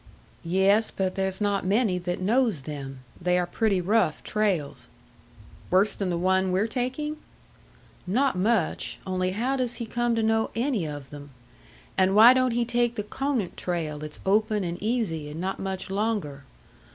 "Yes, but there's not many that knows them. They are pretty rough trails." "Worse than this one we're taking?" "Not much; only how does he come to know any of them? And why don't he take the Conant trail that's open and easy and not much longer?